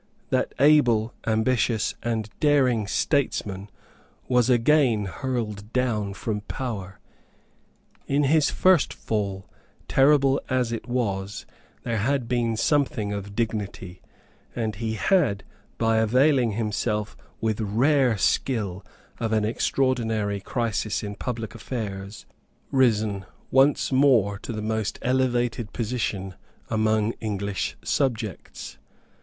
That able, ambitious and daring statesman was again hurled down from power. In his first fall, terrible as it was, there had been something of dignity; and he had, by availing himself with rare skill of an extraordinary crisis in public affairs, risen once more to the most elevated position among English subjects.